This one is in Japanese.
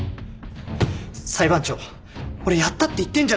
裁判長俺やったって言ってんじゃないっすか。